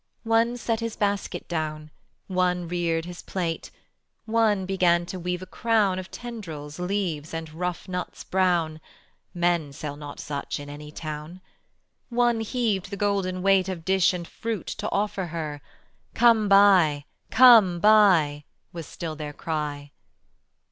One set his basket down, One reared his plate; One began to weave a crown Of tendrils, leaves, and rough nuts brown (Men sell not such in any town); One heaved the golden weight Of dish and fruit to offer her: "Come buy, come buy," was still their cry.